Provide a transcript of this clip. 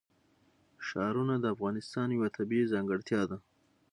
ښارونه د افغانستان یوه طبیعي ځانګړتیا ده.